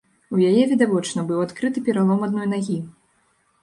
У яе, відавочна, быў адкрыты пералом адной нагі.